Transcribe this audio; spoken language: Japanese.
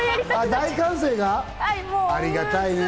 大歓声がありがたいね。